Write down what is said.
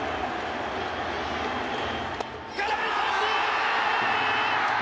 空振り三振！